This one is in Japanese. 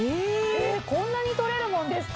こんなに取れるもんですか。